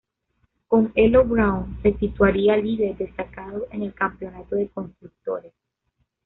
Con ello Brawn se situaría líder destacado en el campeonato de constructores.